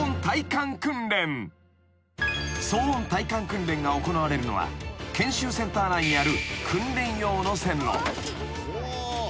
［騒音体感訓練が行われるのは研修センター内にある］